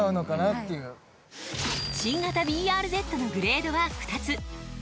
新型ＢＲＺのグレードは２つ。